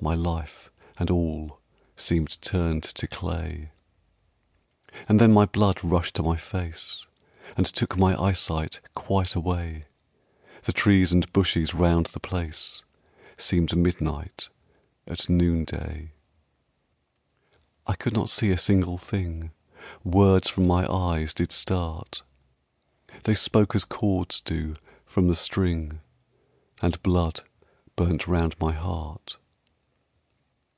My life and all seemed turned to clay. And then my blood rushed to my face And took my sight away. The trees and bushes round the place Seemed midnight at noonday. I could not see a single thing, Words from my eyes did start; They spoke as chords do from the string And blood burnt round my heart.